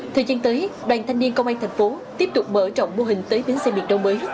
thời gian tới đoàn thanh niên công an thành phố tiếp tục mở rộng mô hình tới bến xe miền đông mới